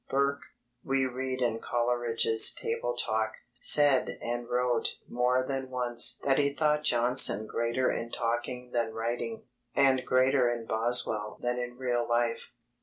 "Burke," we read in Coleridge's Table Talk, "said and wrote more than once that he thought Johnson greater in talking than writing, and greater in Boswell than in real life."